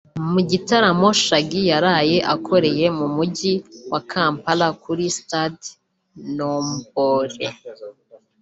Mu gitaramo Shaggy yaraye akoreye mu Mujyi wa Kampala kuri Stade Noombole